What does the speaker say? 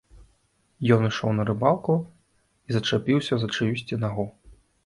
Ён ішоў на рыбалку і зачапіўся за чыюсьці нагу.